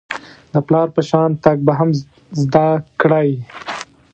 د پلار په شان تګ به هم زده کړئ .